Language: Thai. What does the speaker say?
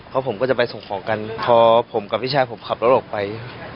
เพราะผมก็จะไปส่งของกันพอผมกับพี่ชายผมขับรถออกไป